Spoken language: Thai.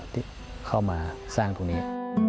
ที่เข้ามาสร้างตรงนี้